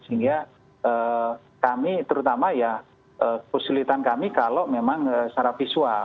sehingga kami terutama ya kesulitan kami kalau memang secara visual